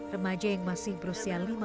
remaja yang masih berusia